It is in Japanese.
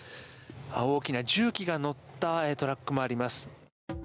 大きな重機が載ったトラックもあります。